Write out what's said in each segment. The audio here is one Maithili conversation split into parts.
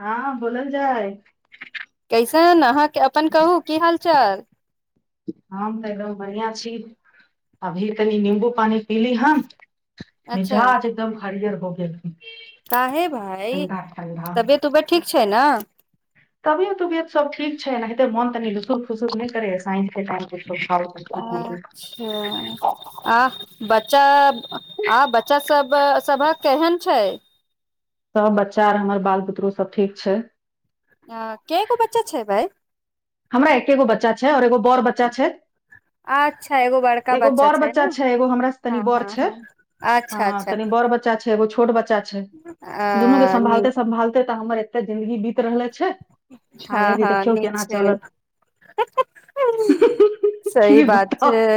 हँ बोलल जाइ [unintelligible] अपन कहू की हाल चाल बढ़िआ छी अभी तनी नींबू पानि पीली हन मिजाज एकदम हरिअर हो गेल ताहे भाइ ठंडा ठंडा तबियत उबियत ठीक छै ने तबियत उबियत सब ठीक छै एनाहिते मोन तनि लुसु फुसूक नहि करे साइंस अच्छा आ बच्चा सभ बच्चा आर हमर बाल बुतरू सभ ठीक छै। अ कर्इ गो बच्चा छै भाई। हमरा एकेगो बच्चा छै और एगो बड़ बच्चा छै अच्छा एगो बड़का एगो बड़ बच्चा ने छै एगो हमरा से तनी हँ बड़ हँ छै हँ अच्छा ह अच्छा तनि बड़ बच्चा छै एगो छो छोटब चा छै दुनू के अ नीक सम्भालते- सम्भालते। त हमर एकटा जिन्दगी बीत रहल है। [unintelligible] हँ हआगे के हँ देखियौ नीक केना छै चलत। सही की बात छै। बताउ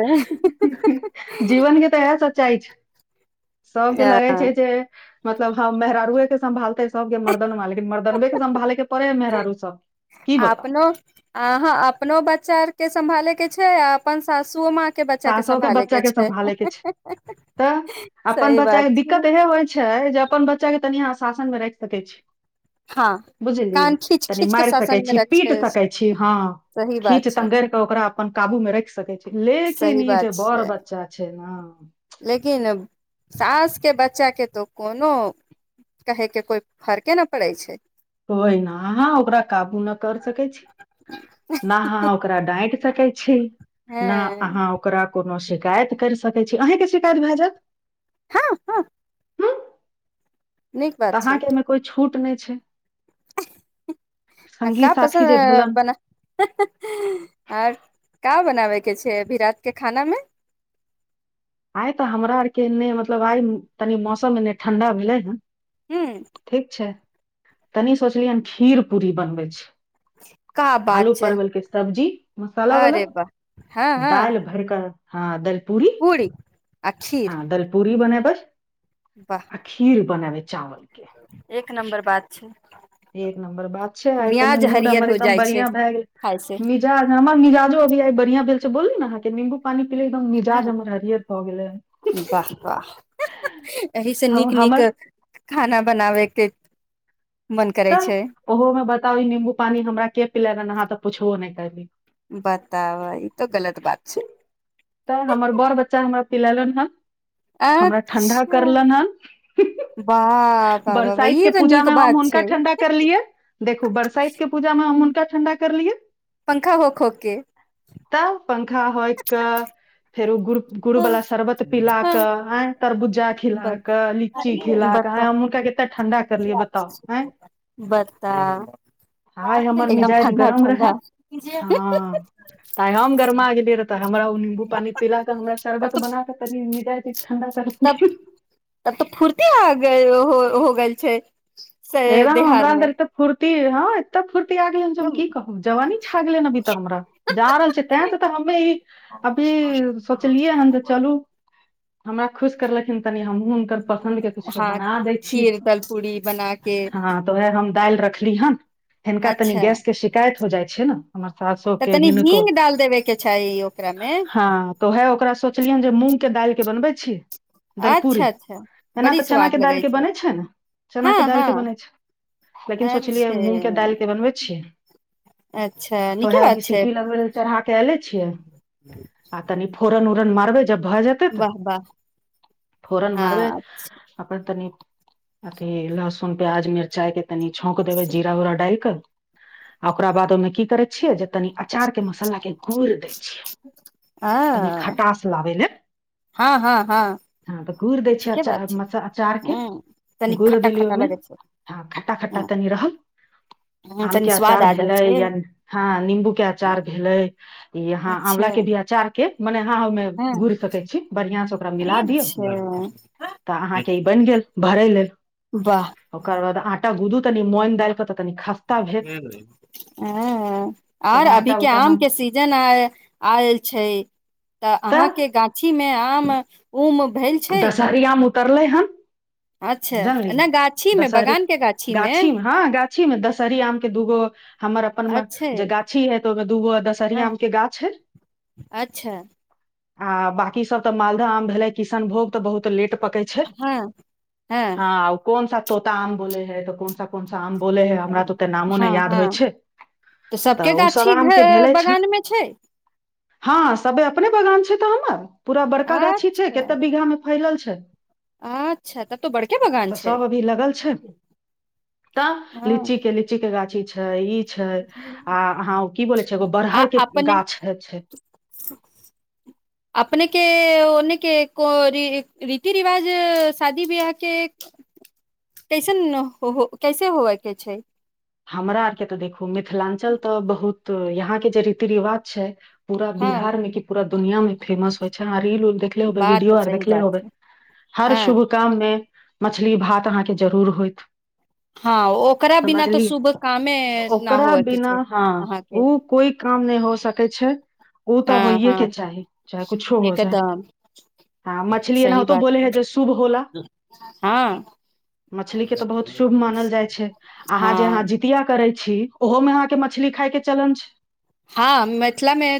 जीवन के तऽ इएह सच्चाइ छै। सबके लगै छै जे। मतलब ह मेहरारुए के सं्भालतय। सबके मर्दन वा लेकिन मर्दनबे के सम्भाले के पड़े है मेहरारू सब की बताऊ। आहा अपनो बच्चा आर के संभाले के छै आ अपन सासु माँ के बच्चा सासो के सम्भाले बच्चा के छै समभाले के छै तऽ अपन सही बच्चा बात के छै दिक्कत इहे होइ छै जे अपन बच्चा के तनि अहाँ शासन मे राईख सकै छी। हँ बुझली कान खींच तनी खींच के मारि सकै शासन मे छी रखे पीट सकै छी हँ सही बात खीच छै तगड़ कऽ ओकरा अपन काबूमे राखि सकै छी लेक ी न सही ई जे बात बड़ छै बच्चा आ छै न। लेकिन सासके बच्चाके तऽ कोनो कहयके कोइ फर्के नहि पड़ै छै। कोइ न अहाँ ओकरा काबू न कर सकै छी न अहाँ ओकरा डाँंटि सकै छी। ना हँ अहाँ ओकरा कोनो शि शिकायत कैर सकै छी अहींके शिकायत भै जैत। हँ हँ नीक बात छै तहाँके अय में कोइ छूट नै छै। आ सङ्गी क साथी पसन्द जे ह भेलन बना आ का बनाबै। के छै अभी रात के खाना मे। आइ तऽ हमरा आरके एन्ने मतलब आइ तनि मौसम एन्ने ठण्ढा भेलै हन। हूँ ठीक छै। तनी सोचलियै हन खीर पूरी बनबै छी। का आलू बात छै परवल के सब्जी मसाला वला अरे वाह हँ हँ दाईल भरिकऽ हँ दल पूरी। आ खीर हँ दलपूरी बने बै। वाह आ खिर। बनेबे चावल। के एक नं्बर बात। च्छा। एक नम्बर बात छै आइ तनी मूड हरियर हमर हो एकदम जाइ छै बढ़ििया भै गेल खाय से मिजाज हमर मिजाजोभ। बढ़िया भेलिल छै बोलू ने अहके नीमबू। पानी पले एकदम मिजाज हमर हरियत भऽ गेलै वाह वाह एहि से ह नीक नीक हमर। खाना बनाबैके। तऽ ओहो में बताउ नम्बू पानी हमरा के पिले देनहार। तऽ पुछो नहि करली। बताबै ई त गलत बात छै। तऽ हमर बड़ बच्चा हमरा पिलेलन हँ। हमरा ठणढा अच्छा करलन हन। वाह वाह वाह वाह बरसाइत के ई तऽ नीक पूजामे हम बात हुनका छै ठंडा करलियै देखू बरसाइत के पूजामे हम हुनका ठण्डा करलियै। पंखा होक होक के तब पंखा होइक क। फेर ओ गुड़ गुड़ुवला शरबत पिला कऽ आ तरबुजा खिला कऽ लीची खिला। आय बता हम हुनका केते ठणडा करलिय बता बता आय हमर एकदम मिजज ठण्डा गरम रहे ठण्डा आय हम गरमा गेलईये रहै त हमरा ऊ नींबू पानी पिला। हमरा तब शरबत तऽ बना क तनी पिल्लै तब तब तऽ फुुरतीे आ गय ओ। हो -हो ग छै। से हे राम देहार हमरा मे अन्दर तऽ फूर् ती हँ। ऽ फुर्ती आ गेलै ह हम की कहब जवानी छ गेले ह अभी तऽ हमरा जा रहल छै तैं से तऽ हमे अभी सोचलियै हन जे चलू। हमरा खुश करलखिन। तनि हमहूँ हुनकर पसन्दके किछो हँ बना दै छियै खीर दल पूरी ब हँ तऽ वहै हम दालि रख खली हन। हिनका तनि अच्छा गैस के शिकायत हो जाइ छै न। हमर साासो तऽ के तनि हिनको हींग डाल देबे के चाही ओकरा मे हँ तऽ ओहै ओकरा सोचलियनि जे मुह। के दालिक के बनबै छी। दलपूरी अच्छा अच्छा एना बड़ी तऽ स्वाद चनाके लगै दाईलके बनै छै न। चना के हँ दायल हँ के बनै छै लेकिन सोचलियय अच्छे मूंग के दायल के बनबै छियै अच्छा तो नीके ओहै बात अभी छै सिटी लगबई लै चढ़ा क ऐले छियै आ तनि फोर न ओरन मरबै। जब भऽ जेतै तऽ वाह वाह फोरन आ मारबै अपन तनि। अच ई लहसुन प्याज मिरचाइ के तनी छंक देब जीरा उरा डाइल क। आ ओकरा बाद ओहिमे की करै छियै जे तनी अचारके मसालाक के गूईर दै छियै। तनी आ खटास लाबै लै। हँ - हाँ -हँ। हँ तऽ गुड़ि दै छै ठीके बात अचार म ह अचारके। तनी गुड़ खट्टा देली खट्टा ओहिमे लगै छै हँ खट्टा -खट्टा तनि रहल ह आम तनी के स्वाद अचार आ जाइ भेले छै या हँ नम्बू के अचार भेलै ई यहा अच्छा आंवला के भी अचार के मने अहाँ ओहिमे हँ गुड़ि सकै छीयय बढ़ियां से मिला दिय अच्छा त अहाँ के ई बइन गेल भरे ह वाह ओकर बाद आठ। टा गुदू तनी मन दाल पता ख। ह तऽ आर उएह आटा अभीके उटा आम हम के सीजन आय आयल छै। तऽ अहाँके गाछी मे आम उम भेल छै दशहरी आम ऊ तर ले हन। अच्छा जानली नहि गाछीमे दशहरी बगानके गाछीमे हँ गाछीमे दशहरी आमके दूगो हमर अपनमे अच्छे जे गाछी है तऽ ओहिमे दूगो दशहरी हँ आमके गाछ हइ। अच्छा आ बाकी सब तऽ मालदह आम भेलै। किशनभोग तऽ बहुत लेट पतै छै हँ हँ ह कोन सा तोता आम बोलय रहै त कोनसा कोनसा आम बोले है हमरा तऽ ओते नामो हँ नहि याद होइ -हँ छै तऽ सभके ओ सब गाछी आम भ के भेले बगानमे छै। हँ सभे अपने बगान छै तऽ हमर। पूरा बड़का गाछी छै केत अच्छा फैलल छै। अच्छा तब तो बड़के बगान तऽ छै सब अभी लगल छै तऽ लीची हँ के लीची के गाछी। छअ ई छै आ अहाँ ओ की बोलै छै एगो आ बड़हर के अपने- गाछ है छै अपने के ओने। के को रीति रिवाज शादी बवाह के कैसन हो कैसे होवय के छै। हमरा आरके तऽ देखू मिथिलाञ्चल तऽ बहुत तऽ यहाँ के जे रीति रिवाज छै पूरा हँ बिहार मे की पूरा दुनियामे फेमस होइ छै आर रील उल देखले होबे बात तऽ वीडियो आर सही देखले बात होबे छै हर हँ शुभ काममे मछली भात अहाँके जरूर होइत हँ ओकरा बिना तऽ समझलियै शुभ ओकरा बिना हँ अहाँके उ कोइ काम नहि हो सकै छै ओ तऽ हँ हँ होइएके चाही चाहे कुछो हो जाइ एकदम ह मछली सही एनाहितो बात बोले हे छै जे शुभ होला हँ मछली के तऽ बहुत शुभ मानल जाइ छै अहाँ जे अहाँ हँ करै छी ओहोमे अहाँके मछली खायके चलन छै हँ मिथिलामे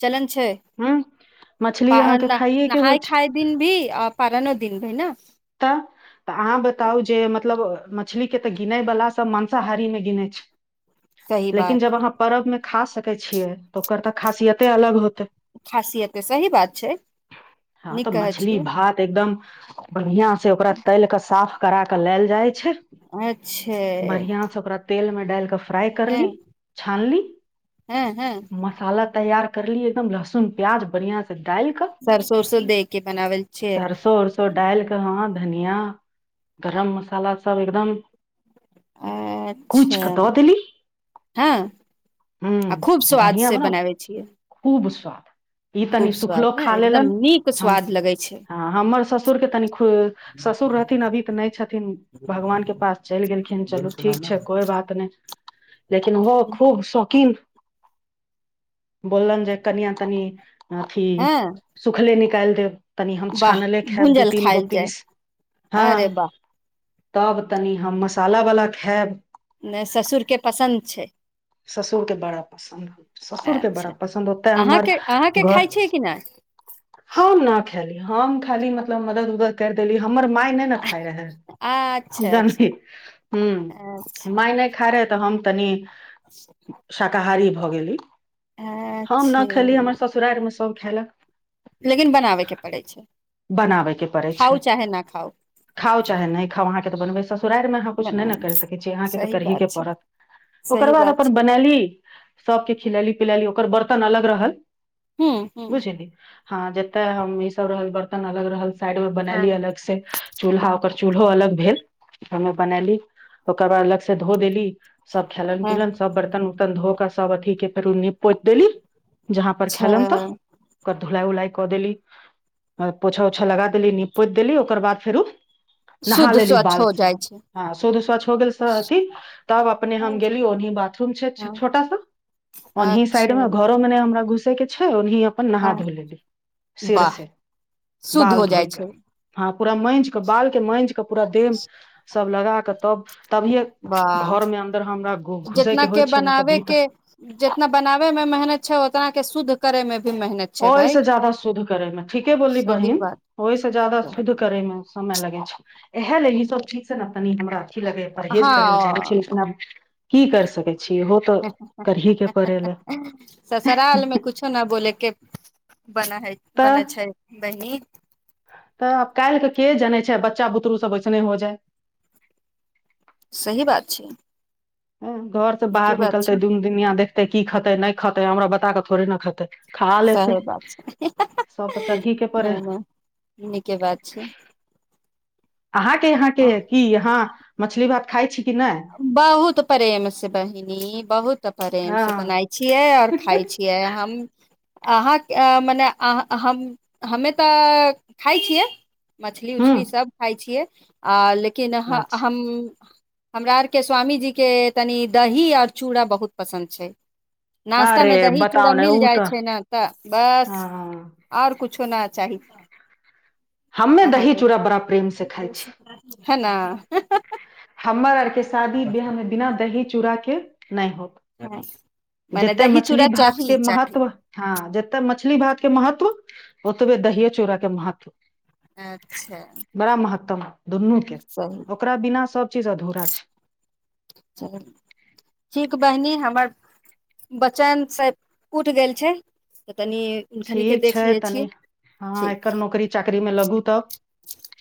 चलन छै ह मछली पा अहाँके न खाइएके होइ नहाय छै खाय दिन भी आ पारनो दिन भी ने तऽ तऽ अहाँ बताउ जे मतलब मछली के तऽ गिनैवला सभ मांसाहारीमे गिनै छै सही लेकिन बात जब अहाँ पर्बमे खा सकै छियै तऽ ओकर तऽ खासियते अलग होते खासियत तऽ सही बात छै नीक कहै छियै बढ़ियां से ओकरा तैलिकऽ साफ करा के लैल जाइ छै अच्छा तेल मे डालिकऽ फ्राइ कर ली छान ली हँ हँ मसाला तैयार करलिय एकदम लह सुन प्याज बढ़ियां डालि कऽ सरसो उरसो दे के बनावल छियै सरसो उरसो डालि केऽ हँ धनिया गरम मसाला सब एकदम कुच अच्छा कऽ दऽ देली हँ हूं आ खूब स्वाद बढ़ियां से बना बनाबै छियै खूब स्वाद ई खूब तनि स्वाद सुखलो ने खा एकदम लेलनि नीक हम स्वाद लगै छै हँ हमर ससुरके तनि खु ससुर रहथिन अभी तऽ नहि छथिन भगवानके पास चलि गेलखिन चलू ठीक छै कोइ बात नहि लेकिन ओहो खूब शौक की बोललनि जे कनियाँ तनि अथि हँ सूखले नि- -काल देब तनी हम वाह छानले खायब दू भूंजल तीन गो खायल जाय पीस हँ अरे वाह तब तनि हम मसालावला खायब नै ससुरके पसन्द छै ससुरके बड़ा पसन्द ससुर के बड़ा अच्छा पसन्द ओत्ते हमर अहाँके अहाँके खाइ घर छियै कि नहि हम न खेयली हम खाली मतलब मदद उदद कर देली हमर माय ई नै न खाई रहै अच्छा जानली अच्छा हूँ अच्छा माय नहि खाई रहै तऽ हम तनी शाकाहारी भऽ गेली हम अच्छा न खेली हमर ससुरारमे सब खेलक लेकिन बनाबैके पड़ै छै बनाबे के पड़ै खाउ छै चाहे न खाउ ससुरार अहाँ कुछ नहि बनाय ने मे। कर कै छी अहाँके त सही करहि कें बात छै पड़त ओकर सही बाद बात अपन छै बनेली सबके खिलेली पिलेली ओकर बर्तन अलग रहल हूँ हूँ बुझली हँ जेतऽ हम ई सब रहल ब- तन अलग रहल साइड मे हँ बनैएली अलग से चूल्हा ओकर चूल्हो अलग भेल ओमे बनैली ओकर बाद अलग से धो देली सब खेलन पीलन बर्तन उतन धो कर सब अथि के फेरो नीप पोति देली जहाँ पर अच्छा खैलन त ओ- धुलाई उलाई कऽ देली पोछा ओछा लगा देली नीप पोति देली ओकर बाद फेरो नहा शुद्ध लेली स्वच्छ बाल हो से जाइ छै हँ शुद्ध स्वचछ हो गेल स अथि तब अपने हम गेली ओनहीं बा- रूम छै हँ छोटा सा ओनहीं साइड अच्छा मे घरो मे नै हमरा घुस - तै के छै उन्हि अपन नहा हँ धो ले ली सिर वाह से शुद्ध बाल हो धोइ जाइ के छै ह पूरा माँजि कऽ बाल के माँजि कऽ पूरा देब सब लगा कऽ तब तभिए वाह घर में अन्दर हमरा जितना होइ के छै ने तऽ बनाबे भीतर के जितना बनाबे मे मेहनत छै उतना के शुद्ध करेमे ओ ओहि से ज्यादा शुद्ध करे मे ठीके बोलली सही बहिन बात ओहिसँ ज्यादा शुद्ध कहलियै। करेमे समय लगे छै इएह ले ई सब ठीक छै ने तनी हमरा अथी लगै परहेज करैल चाहै छी लेकिन आब की कर सकै छी इहो तऽ करही के पड़े ले ससुरालमें कुछो न बोले के बना है तऽ बनै छै बहिनी तऽ आब काल्हिके के जनै छै बच्चा बुतरू सभ ओइसने हो जाय सही बात छै ह घर से नीके बाहर बात निकलते छै दून दिनिया देखते की खेते नहि खते हमरा बता कऽ थोड़े ने खेतै सही बात छै तऽ करही के पड़े नहि नीके बात छै अहाँके यहाँके की हाँ मछली भात खाइ छी कि नहि बहुत प्रेम से बहिनी बहुत प्रेम से हँ बनाइ छियै आओर खाय छियै हम अहाँ मने अहाँ हम हमे तऽ खाइ छियै मछली हू उछली सब खाय छियै आ लेकिन अच्छा हम हमरा आरके स्वामीजीके तनि दही आओर चूड़ा बहुत पसन्द छै नास्ता मे अरे दही चूड़ा बताउ ने मिल ओ जाइ तऽ छै ने तऽ बस हँ आओर कुछ कुछो नहि चाही हमे दही अहाँके चूड़ा बड़ा प्रेम से खाइ छी है न हमर आरके शादी बियाहमे बिना दही चूड़ाके नहि हो [unintelligible] मने जतेक दही मछली चूड़ा चाही भातके महत्व हँ ज तऽ मछली भात के महत्व ओतबे दहिए चूड़ा के महत्व अच्छा बड़ा महत्तम दुनू के सही ओकरा बिना सब चीज अधूरा छै छै बचनसँ उठि गेल छै तनि हुनखनिके ठीक देख छै लियै छियै तनी हँ ठीक एकर नौकरी चाकरीमे लगू तऽ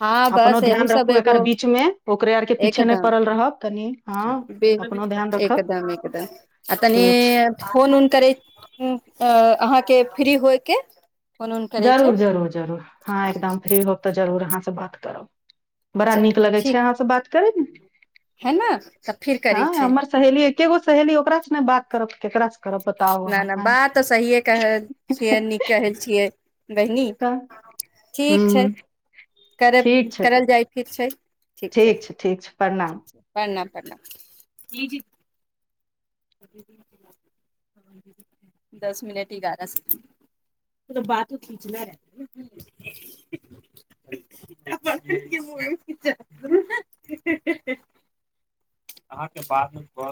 हँ अपनो बस एहू ध्यान सब रखू एगो एकर बीच में ओकरे आर के पीछे नहि एकदम पड़ल रहब कनि हँ अपनो ध्यान रखब एकदम एकदम आ तनि ठीक छै फोन उन करै अहाँके फ्री होइके जरूर जरूर जरूर हँ एकदम फ्री होब तऽ जरूर अहाँ से बात करब बड़ा नीक चलू लगै छै ठीक अहाँ से बात करयमे [inaudible] है ना हँ हमर सहेली एकेगो सहेली ओकरा से ने बात करत केकरा करब बताउ नहि अहाँ नहि आँय बात तऽ सहिए कह छियै नीक कहल छियै बहिनी तऽ ठीक छै हूँ करब ठीक छै तऽ करल जाइ ठीक छै ठीक छै ठीक छै ठीक प्रणाम छै प्रणाम प्रणाम [unintelligible] दस मिनट एगारह सेकेंड बातो खिंचनाय रहय [unintelligible]